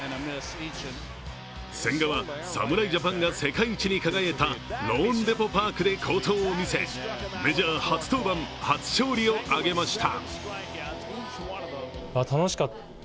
千賀は、侍ジャパンが世界一に輝いたローンデポ・パークで好投を見せ、メジャー初登板初勝利を挙げました。